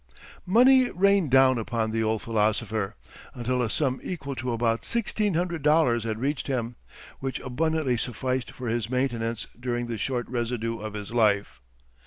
Money rained down upon the old philosopher, until a sum equal to about sixteen hundred dollars had reached him, which abundantly sufficed for his maintenance during the short residue of his life.